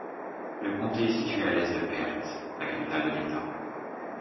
Le comté est situé à l'est de Perth, la capitale de l'État.